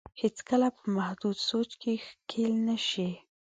هېڅ کله په محدود سوچ کې ښکېل نه شي.